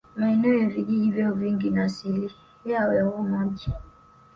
Maeneo ya vijiji vyao vingi na asili yao ya uhamaji